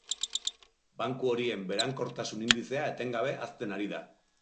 Banku horien berankortasun indizea etengabe hazten ari da.